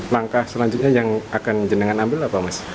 langkah selanjutnya yang akan jenangan ambil apa mas